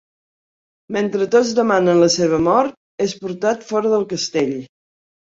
Mentre tots demanen la seva mort és portat fora del castell.